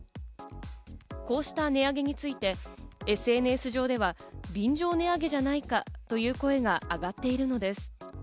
こうした値上げについてＳＮＳ上では便乗値上げじゃないかという声が上がっているのです。